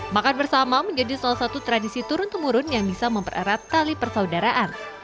makan bersama menjadi salah satu tradisi turun temurun yang bisa mempererat tali persaudaraan